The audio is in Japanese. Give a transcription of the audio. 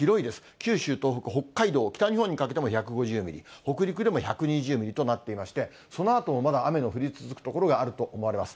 九州、東北、北海道、北日本にかけても１５０ミリ、北陸でも１２０ミリとなっていまして、そのあともまだ雨の降り続く所があると見られます。